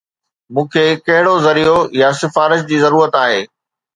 مون کي ڪهڙو ذريعو يا سفارش جي ضرورت آهي؟